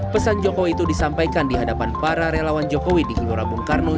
pesan jokowi itu disampaikan di hadapan para relawan jokowi di ilora bungkarno